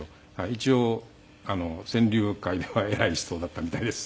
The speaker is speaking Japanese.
一応川柳界では偉い人だったみたいです。